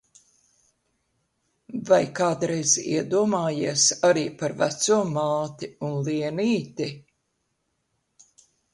Vai kādreiz iedomājies arī par veco māti un Lienīti?